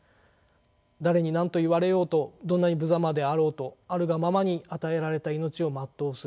誰に何と言われようとどんなにぶざまであろうとあるがままに与えられた命を全うする。